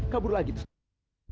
kabur lagi tuh